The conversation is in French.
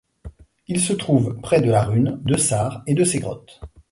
Il se trouve près de La Rhune, de Sare et de ses grottes.